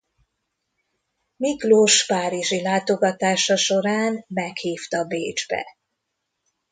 Miklós párizsi látogatása során meghívta Bécsbe.